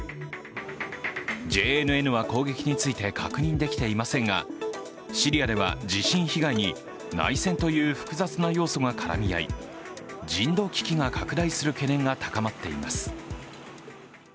ＪＮＮは攻撃について確認できていませんが、シリアでは地震被害に内戦という複雑な要素が絡み合い人道危機が拡大する懸念が高まっています。